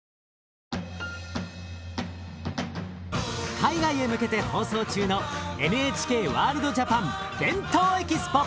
海外へ向けて放送中のＮＨＫワールドＪＡＰＡＮ「ＢＥＮＴＯＥＸＰＯ」！